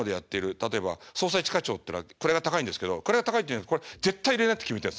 例えば「捜査一課長」ってのは位が高いんですけど位が高いっていうのでこれ絶対入れないって決めたやつ。